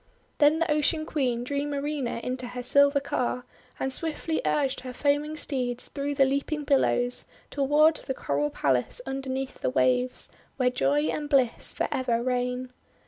Then the Ocean Queen drew Marina into her silver car, and swiftly urged her foaming steeds through the leaping billows toward the coral palace underneath the waves, where joy and bliss for ever reign.